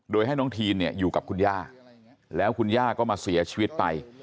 โดยให้น้องทีนเนี่ยอยู่กับคุณย่าแล้วคุณย่าก็มาเสียชีวิตไป